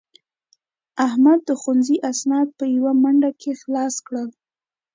احمد د ښوونځي اسناد په یوه منډه کې خلاص کړل.